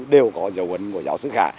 đều có dấu ấn của giáo sư khẳng